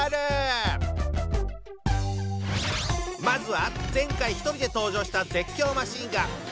まずは前回１人で登場した絶叫マシンガン